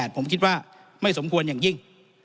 ผมคิดว่าไม่สมควรอย่างยิ่ง